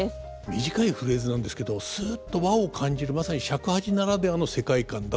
短いフレーズなんですけどすっと和を感じるまさに尺八ならではの世界観だと思いますね。